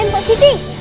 eh mbak siti